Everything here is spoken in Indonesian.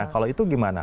nah kalau itu gimana